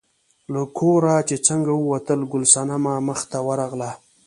له کوره چې څنګه ووتل، ګل صنمې مخې ته ورغله.